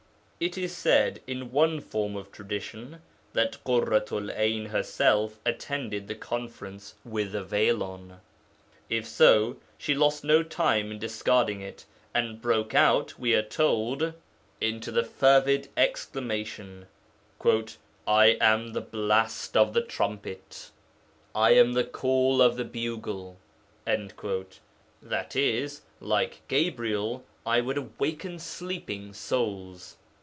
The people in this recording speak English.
It is said, in one form of tradition, that Ḳurratu'l 'Ayn herself attended the conference with a veil on. If so, she lost no time in discarding it, and broke out (we are told) into the fervid exclamation, 'I am the blast of the trumpet, I am the call of the bugle,' i.e. 'Like Gabriel, I would awaken sleeping souls.'